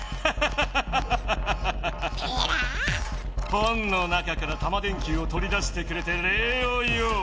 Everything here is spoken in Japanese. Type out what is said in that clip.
本の中からタマ電Ｑをとり出してくれてれいを言おう。